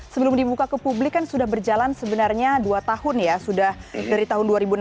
sebelum dibuka ke publik kan sudah berjalan sebenarnya dua tahun ya sudah dari tahun dua ribu enam belas